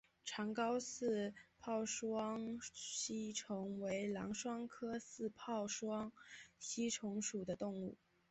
长睾似泡双吸虫为囊双科似泡双吸虫属的动物。